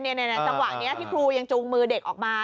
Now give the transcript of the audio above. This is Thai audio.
จังหวะนี้ที่ครูยังจูงมือเด็กออกมา